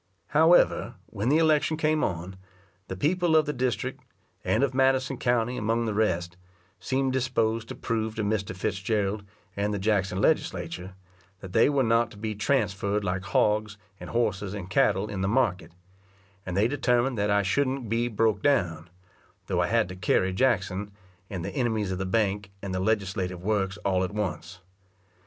However, when the election came on, the people of the district, and of Madison county among the rest, seemed disposed to prove to Mr. Fitzgerald and the Jackson Legislature, that they were not to be transferred like hogs, and horses, and cattle in the market; and they determined that I shouldn't be broke down, though I had to carry Jackson, and the enemies of the bank, and the legislative works all at once.